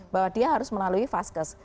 bahwa dia harus melalui vaskes